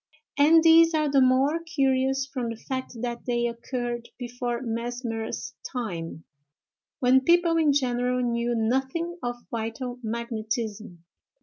and these are the more curious from the fact that they occurred before Mesmer's time, when people in general knew nothing of vital magnetism.